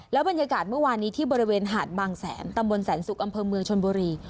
บรรยากาศเมื่อวานนี้ที่บริเวณหาดบางแสนตำบลแสนสุกอำเภอเมืองชนบุรี